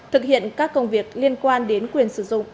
thực hiện các công việc liên quan đến quyền sử dụng